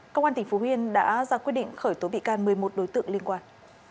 công an tp hcm đã ra quyết định khởi tố bị can một mươi một đối tượng liên quan